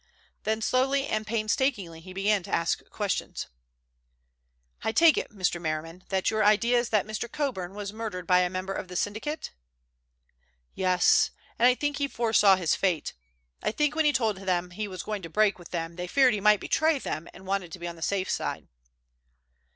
Then slowly and painstakingly he began to ask questions. "I take it, Mr. Merriman, that your idea is that Mr. Coburn was murdered by a member of the syndicate?" "Yes, and I think he foresaw his fate. I think when he told them he was going to break with them they feared he might betray them, and wanted to be on the safe side."